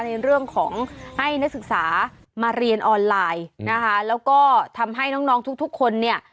ในเรื่องของให้นักศึกษามาเรียนออนไลน์นะคะแล้วก็ทำให้น้องน้องทุกทุกคนเนี่ย